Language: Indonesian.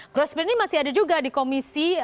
growth split ini masih ada juga di komisi